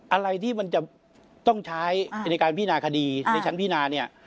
อะไรที่มันจะต้องใช้ในการพินาคดีในชั้นพินาเนี่ย